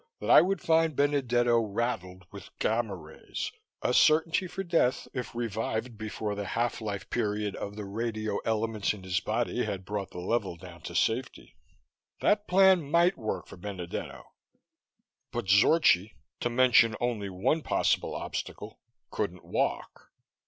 that I would find Benedetto raddled with gamma rays, a certainty for death if revived before the half life period of the radioelements in his body had brought the level down to safety. That plan might work for Benedetto. But Zorchi, to mention only one possible obstacle, couldn't walk.